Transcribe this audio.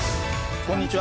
こんにちは。